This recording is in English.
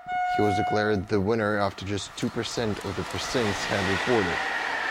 He was declared the winner after just two percent of the precincts had reported.